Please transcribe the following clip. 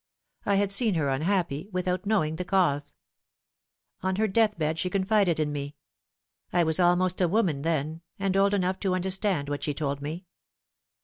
I had seen her unhappy, without knowing the cause. On her death bed she confided in me. I was almost a woman then, and old enough to understand what she told me.